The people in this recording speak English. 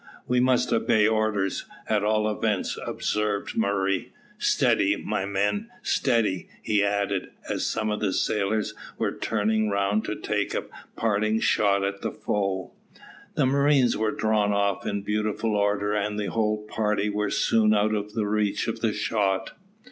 "We must obey orders, at all events," observed Murray. "Steady, my men, steady," he added, as some of the sailors were turning round to take a parting shot at the foe. The marines were drawn off in beautiful order, and the whole party were soon out of the reach of shot.